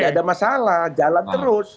tidak ada masalah jalan terus